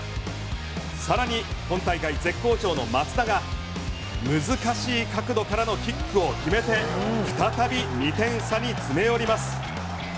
さらに今大会絶好調の松田が難しい角度からのキックを決めて再び２点差に詰め寄ります。